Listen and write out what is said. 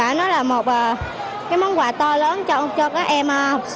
nó là một cái món quà to lớn cho các em